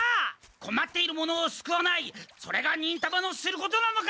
こまっている者をすくわないそれが忍たまのすることなのか！